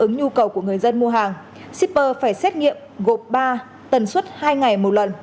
ứng nhu cầu của người dân mua hàng shipper phải xét nghiệm gộp ba tần suất hai ngày một lần